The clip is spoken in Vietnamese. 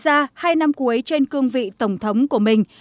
ra hai năm cuối trên cương vị tổng thống của mình